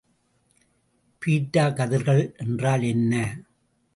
Beta கதிர்கள் என்றால் என்ன?